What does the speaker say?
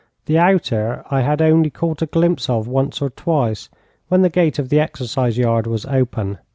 The outer I had only caught a glimpse of once or twice, when the gate of the exercise yard was open.